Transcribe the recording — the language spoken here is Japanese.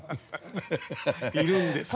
いるんですよ。